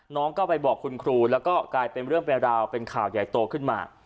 น้องก็ไปบอกคุณครูแล้วก็กลายเป็นเรื่องเป็นราวเป็นข่าวใหญ่โตขึ้นมา